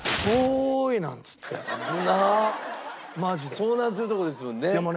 遭難するとこですもんね。